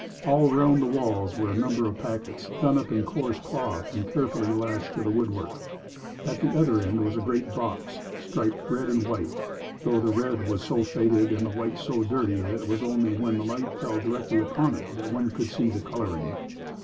All round the walls were a number of packets done up in coarse cloth and carefully lashed to the woodwork. At the other end was a great box, striped red and white, though the red was so faded and the white so dirty that it was only where the light fell directly upon it that one could see the colouring.